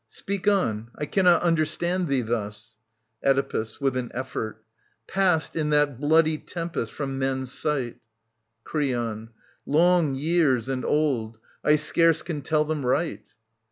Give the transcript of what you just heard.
Speak on. I cannot understand thee thus. Oedipus. [With an effort. Passed in that bloody tempest from men's sight ? "T" Creon. / Long years and old. I scarce can tell them right.